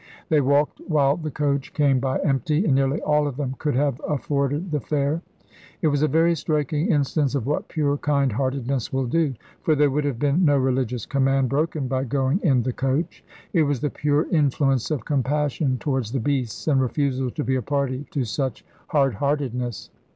They walked while the coach came by empty; and nearly all of them could have afforded the fare. It was a very striking instance of what pure kind heartedness will do, for there would have been no religious command broken by going in the coach. It was the pure influence of compassion towards the beasts and refusal to be a party to such hard heartedness.